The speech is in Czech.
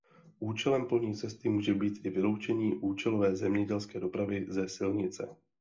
Účelem polní cesty může být i vyloučení účelové zemědělské dopravy ze silnice.